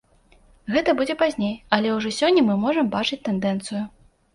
Гэта будзе пазней, але ўжо сёння мы можам бачыць тэндэнцыю.